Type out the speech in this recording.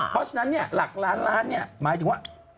เพราะฉะนั้นหลักล้านล้านหมายถึงว่า